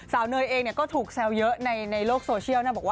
สาวเนยนก็ถูกแซวเยอะในโลกโซเชียล